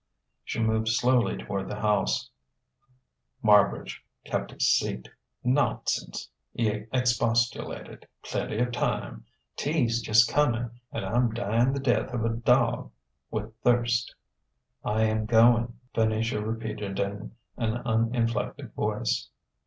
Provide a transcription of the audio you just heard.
She moved slowly toward the house. Marbridge kept his seat. "Nonsense!" he expostulated. "Plenty of time. Tea's just coming. And I'm dying the death of a dog with thirst." "I am going," Venetia repeated in an uninflected voice.